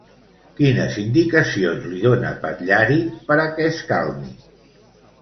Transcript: Quines indicacions li dona Patllari per a què es calmi?